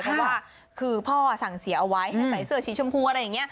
เพราะว่าคือพ่อสั่งเสียเอาไว้ให้ใส่เสื้อสีชมพูอะไรอย่างนี้